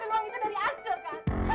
kamu ngambil uang itu dari azur kak